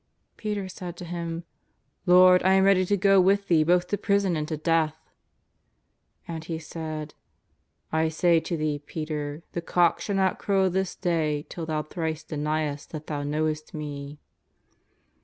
Peter said to Him :" Lord, I am ready to go with Thee both to prison and to death." And He said :" I say to thee, Peter, the cock shall not crow this day till thou thrice deniest that thou knowest Me."